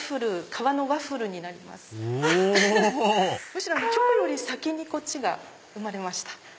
むしろチョコより先にこっちが生まれました。